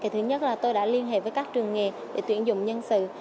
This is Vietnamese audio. thứ nhất là tôi đã liên hệ với các trường nghề để tuyển dụng nhân sự